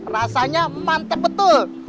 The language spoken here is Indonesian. rasanya mantep betul